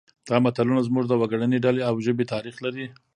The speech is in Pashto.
دا متلونه زموږ د وګړنۍ ډلې او ژبې تاریخ لري